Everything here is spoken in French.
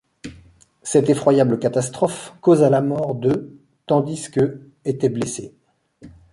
Cette effroyable catastrophe causa la mort de tandis que étaient blessées.